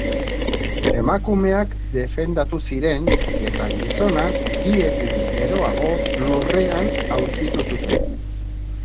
Emakumeak defendatu ziren eta gizona bi egun geroago lurrean aurkitu zuten.